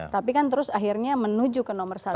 tapi kan terus akhirnya menuju ke nomor satu